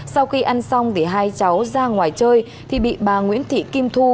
sau khi ăn xong thì hai cháu ra ngoài chơi thì bị bà nguyễn thị kim thu